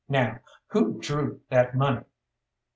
Now who drew that money?"